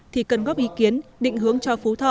thì cần góp ý kiến định hướng cho phú thọ